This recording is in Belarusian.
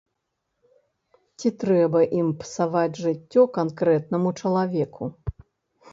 Ці трэба ім псаваць жыццё канкрэтнаму чалавеку.